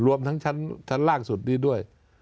รวมทั้งชั้นล่างสุดนี้ด้วย